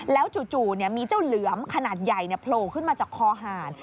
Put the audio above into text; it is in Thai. แล้วจู่มีเจ้าเหลือมขนาดใหญ่โผล่ขึ้นมาจากคอหาร